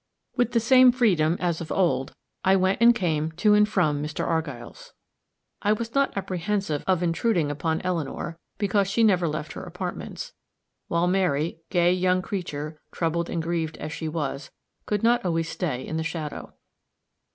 With the same freedom as of old, I went and came to and from Mr. Argyll's. I was not apprehensive of intruding upon Eleanor, because she never left her apartments; while Mary, gay young creature, troubled and grieved as she was, could not stay always in the shadow.